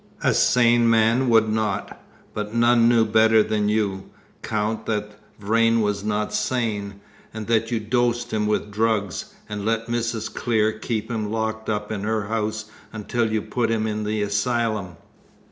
"A sane man would not; but none knew better than you, Count, that Vrain was not sane, and that you dosed him with drugs, and let Mrs. Clear keep him locked up in her house until you put him in the asylum.